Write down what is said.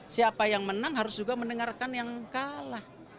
siapa yang menang harus juga mendengarkan yang kalah